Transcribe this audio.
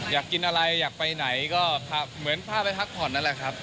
อยากกินอะไรอยากไปไหนก็เหมือนพาไปพักผ่อนนั่นแหละครับ